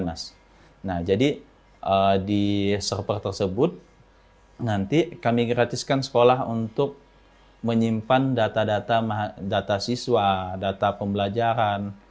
nah jadi di server tersebut nanti kami gratiskan sekolah untuk menyimpan data data siswa data pembelajaran